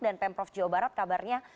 dan pemprov jawa barat kabarnya